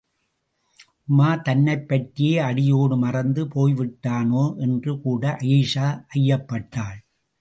உமார் தன்னைப்பற்றியே அடியோடு மறந்து போய்விட்டானோ என்று கூட அயீஷா ஐயப்பட்டாள்.